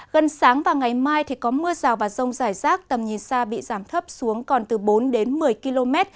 gần sáng và ngày mai thì có mưa rào và rông rải rác tầm nhìn xa bị giảm thấp xuống còn từ bốn đến một mươi km